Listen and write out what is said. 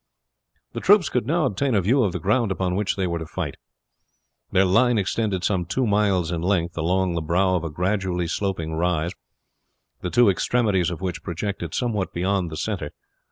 The troops could now obtain a view of the ground upon which they were to fight. Their line extended some two miles in length, along the brow of a gradually sloping rise, the two extremities of which projected somewhat beyond the center.